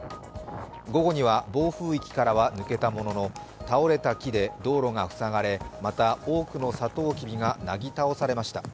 午後には暴風域からは抜けたものの、倒れた木で道路が塞がれまた多くのさとうきびがなぎ倒されました。